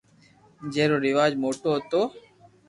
جي رو راج موٽو ھتو